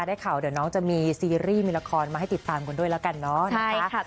ได้ข่าวเดี๋ยวน้องจะมีซีรีส์มีละครมาให้ติดตามกันด้วยแล้วกันเนาะนะคะ